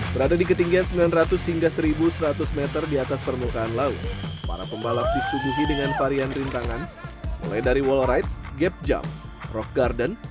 berada di ketinggian sembilan ratus hingga satu seratus meter di atas permukaan laut para pembalap disuguhi dengan varian rintangan mulai dari wall ride gap jump rock garden